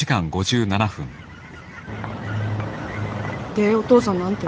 でお父さん何て？